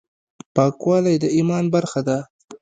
پاکوالی د ایمان برخه ده.